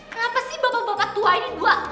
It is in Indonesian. kenapa sih bapak bapak tua ini tidak menerima tamu